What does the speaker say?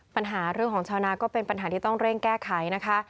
ปัญหาเรื่องของชาวนาก็เป็นปัญหาที่ต้องเร่งแก้ไขนะคะ